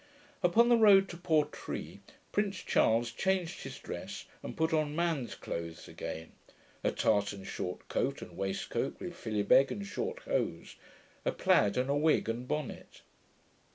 Upon the road to Portree, Prince Charles changed his dress, and put on man's clothes again; a tartan short coat and a waistcoat, with philibeg and short hose, a plaid, and a wig and bonnet.